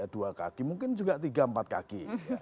dua kaki mungkin juga tiga empat kaki